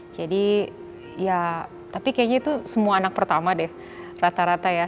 jadi ya tapi kayaknya itu semua anak pertama deh rata rata ya